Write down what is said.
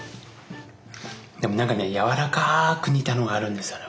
でもなんかねやわらかく煮たのがあるんですよね